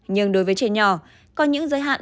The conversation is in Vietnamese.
nhưng đối với trẻ nhỏ có những giới hạn